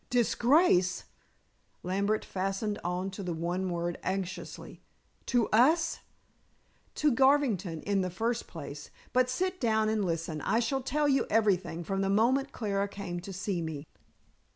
"Disgrace?" Lambert fastened on the one word anxiously. "To us?" "To Garvington in the first place. But sit down and listen. I shall tell you everything, from the moment Clara came to see me."